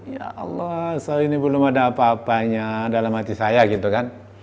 ya allah soal ini belum ada apa apanya dalam hati saya gitu kan